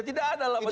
tidak ada alamatnya